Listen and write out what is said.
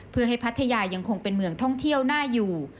เพื่อให้พัทยายังคงเป็นเมืองท่องเที่ยวน่าอยู่